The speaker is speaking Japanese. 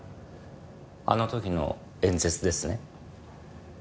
あの時の演説ですね？